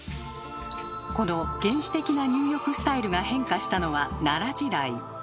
この原始的な入浴スタイルが変化したのは奈良時代。